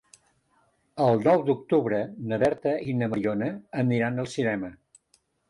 El nou d'octubre na Berta i na Mariona aniran al cinema.